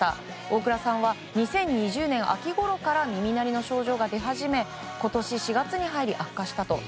大倉さんは２０２０年秋ごろから耳鳴りの症状が出始め今年４月に入り悪化したと。